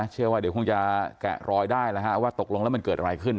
เชื่อว่าเดี๋ยวคงจะแกะรอยได้แล้วว่าตกลงแล้วมันเกิดอะไรขึ้น